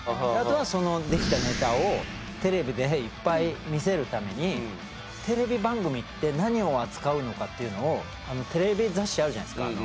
あとはそのできたネタをテレビでいっぱい見せるためにテレビ番組って何を扱うのかっていうのをあのテレビ雑誌あるじゃないですか。